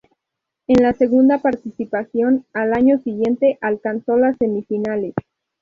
En su segunda participación, al año siguiente, alcanzó las semifinales.